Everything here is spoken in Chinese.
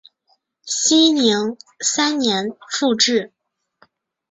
熙宁三年复置。